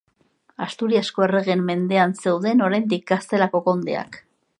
Asturiasko erregeen mendean zeuden oraindik Gaztelako kondeak.